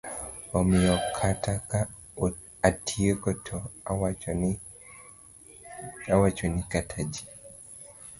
Omiyo kata ka atieko to awacho ni kata ji